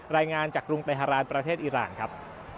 รายงานจากกรุงเตฮารานประเทศอิราณครับ